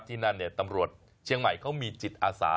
ที่นั่นตำรวจเชียงใหม่เขามีจิตอาสา